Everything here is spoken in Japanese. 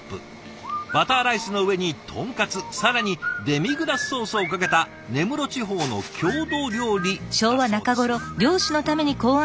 バターライスの上に豚カツ更にデミグラスソースをかけた根室地方の郷土料理だそうです。